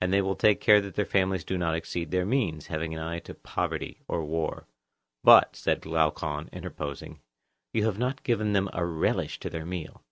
And they will take care that their families do not exceed their means; having an eye to poverty or war. But, said Glaucon, interposing, you have not given them a relish to their meal.